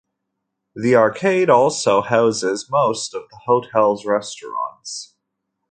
The arcade also houses most of the hotel's restaurants.